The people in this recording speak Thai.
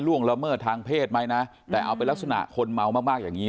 ละเมิดทางเพศไหมนะแต่เอาเป็นลักษณะคนเมามากมากอย่างนี้